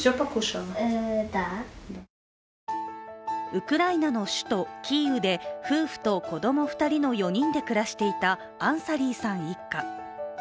ウクライナの首都キーウで夫婦と子供２人の４人で暮らしていたアンサリーさん一家。